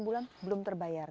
sembilan bulan belum terbayar